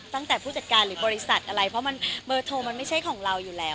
ตั้งแต่ผู้จัดการหรือบริษัทอะไรเพราะมันเบอร์โทรมันไม่ใช่ของเราอยู่แล้ว